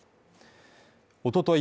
おととい